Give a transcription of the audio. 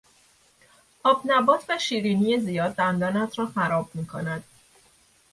آبنبات و شیرینی زیاد دندانت را خراب میکند.